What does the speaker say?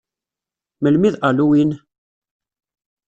Melmi i d Halloween?